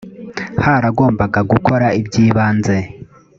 haragombaga gukora ibyibanze